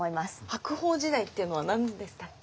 白鳳時代っていうのは何でしたっけ？